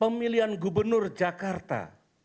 pemilihan gubernur jakarta